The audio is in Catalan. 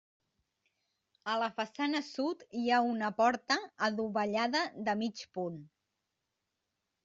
A la façana sud hi ha una porta adovellada de mig punt.